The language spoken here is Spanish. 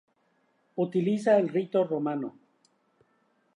Utiliza el rito romano.